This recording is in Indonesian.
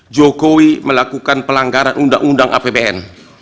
jokowi melakukan pelanggaran undang undang apbn